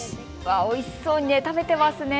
おいしそうに食べていますね。